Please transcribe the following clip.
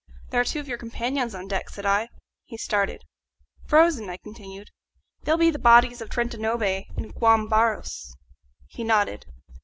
"There are two of your companions on deck," said I. He started. "Frozen," I continued; "they'll be the bodies of Trentanove and Joam Barros?" He nodded.